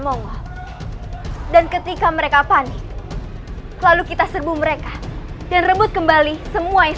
monggo dan ketika mereka panik lalu kita serbu mereka dan rebut kembali semua yang